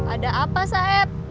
ada apa saeb